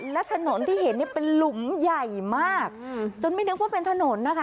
และถนนที่เห็นเนี่ยเป็นหลุมใหญ่มากจนไม่นึกว่าเป็นถนนนะคะ